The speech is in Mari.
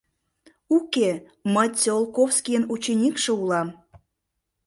— Уке, мый Циолковскийын ученикше улам...